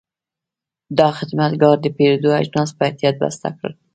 دا خدمتګر د پیرود اجناس په احتیاط بسته کړل.